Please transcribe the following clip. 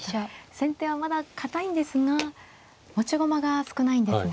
先手はまだ堅いんですが持ち駒が少ないんですね。